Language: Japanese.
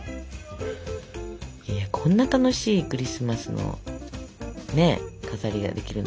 こんな楽しいクリスマスの飾りができるなんていいじゃないの。